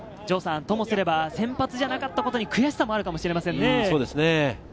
ともすれば先発じゃなかったことに悔しさもあるかもしれませんね。